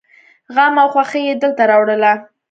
غم او خوښي يې دلته راوړله.